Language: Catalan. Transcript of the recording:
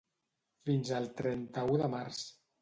Fins el trenta-u de març.